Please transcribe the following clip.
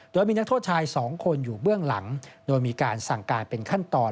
โดยมีนักโทษชาย๒คนอยู่เบื้องหลังโดยมีการสั่งการเป็นขั้นตอน